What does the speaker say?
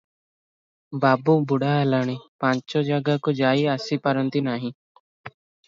ବାବୁ ବୁଢ଼ା ହେଲେଣି, ପାଞ୍ଚ ଜାଗାକୁ ଯାଇ ଆସି ପାରନ୍ତି ନାଇଁ ।